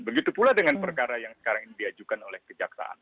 begitu pula dengan perkara yang sekarang ini diajukan oleh kejaksaan